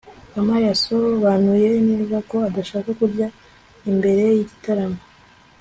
kamali yasobanuye neza ko adashaka kurya mbere y'igitaramo